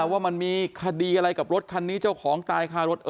ว่ามันมีคดีอะไรกับรถคันนี้เจ้าของตายคารถ